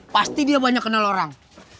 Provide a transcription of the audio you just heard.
pasti dia banyak kenal orang